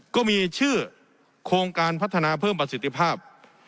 ก็มีชื่อโครงการพัฒนาเพิ่มประสิทธิภาพ